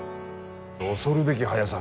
恐るべき速さ。